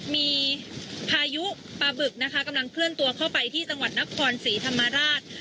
มีพายุปลาบึกนะคะกำลังเคลื่อนตัวเข้าไปที่จังหวัดนครศรีธรรมราช